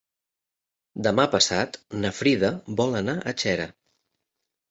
Demà passat na Frida vol anar a Xera.